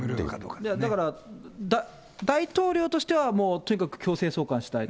だから大統領としては、もうとにかく強制送還したいと。